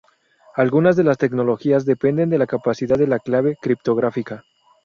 Algunas de las tecnologías dependen de la capacidad de la clave criptográfica.